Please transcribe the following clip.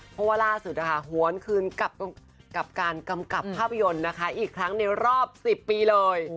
เพราะว่าล่าสุดนะคะหวนคืนกับการกำกับภาพยนตร์นะคะอีกครั้งในรอบ๑๐ปีเลย